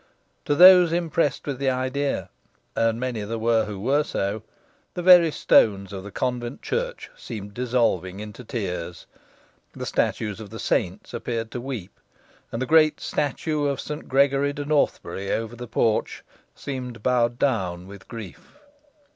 To those impressed with the idea and many there were who were so the very stones of the convent church seemed dissolving into tears. The statues of the saints appeared to weep, and the great statue of Saint Gregory de Northbury over the porch seemed bowed down with grief.